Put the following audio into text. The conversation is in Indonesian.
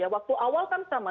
waktu awal kan sama